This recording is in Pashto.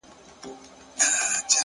علم د تجربې نه لوړ ارزښت لري!.